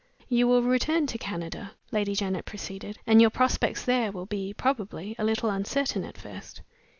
"You will return to Canada," Lady Janet proceeded; "and your prospects there will be, probably, a little uncertain at first.